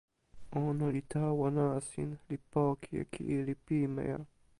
ona li tawa nasin, li poki e kili pimeja.